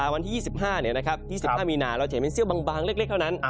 วันที่๒๕๒๕มีนาเราจะเห็นเป็นเสื้อบางเล็กเท่านั้น